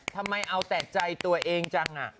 ทำไมเอาแต่ใจตัวเองจัง